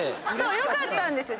よかったんですよ